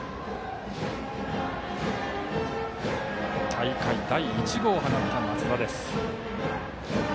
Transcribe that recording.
大会第１号を放った松田。